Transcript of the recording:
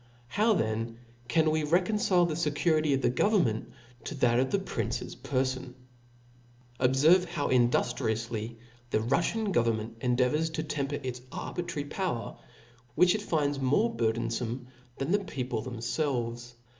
. How then can wc reconcile Cijap.*,4. the fccurity of the government, to that of the princess perfon ? Obferve how induftrtoufly the Ruffian government endeavours to temper its arbitrary power, which it f finds more burthcnlbme than the people themfelves.